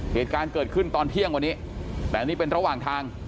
เหตุการณ์เกิดขึ้นตอนเที่ยงวันนี้แต่นี่เป็นระหว่างทาง